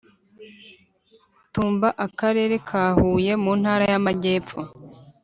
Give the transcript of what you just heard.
Tumba Akarere ka Huye mu Ntara y Amajyepfo